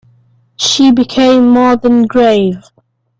She became more than grave.